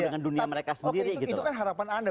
oke itu kan harapan anda bukan harapan kita